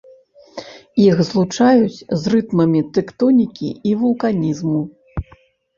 Іх злучаюць з рытмамі тэктонікі і вулканізму.